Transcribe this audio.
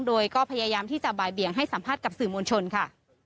โดยก็พยายามที่จะบ่ายเบี่ยงให้สัมภาษณ์กับสื่อมวลชนค่ะ